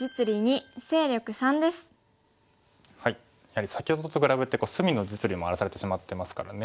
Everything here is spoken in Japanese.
やはり先ほどと比べて隅の実利も荒らされてしまってますからね。